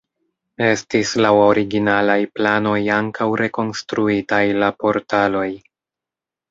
Estis laŭ originalaj planoj ankaŭ rekonstruitaj la portaloj.